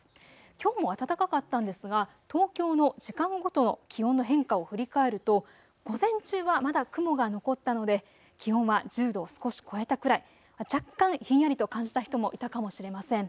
きょうも暖かかったんですが東京の時間ごとの気温の変化を振り返ると午前中はまだ雲が残ったので気温は１０度少し超えたくらい、若干ひんやりと感じた人もいたかもしれません。